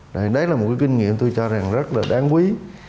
đấy là một cái kinh nghiệm tôi cho rằng rất là đáng quý